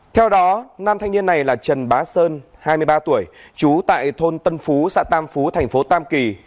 theo đó nam thanh niên này là trần bá sơn hai mươi ba tuổi trú tại thôn tân phú xã tam phú thành phố tam kỳ